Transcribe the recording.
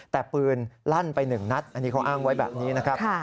แต่ปืนลั่นไป๑นัดอันนี้เขาอ้างไว้แบบนี้นะครับ